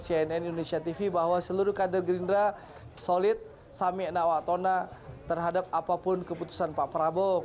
seluruh penonton cnn indonesia tv bahwa seluruh kader gerindra solid sami enak wa tona terhadap apapun keputusan pak prabowo